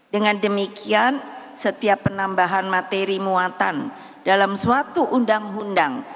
dengan demikian setiap penambahan materi muatan dalam suatu undang undang